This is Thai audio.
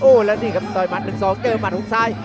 แล้วนี่ครับต่อยหมัด๑๒เจอหมัดของซ้าย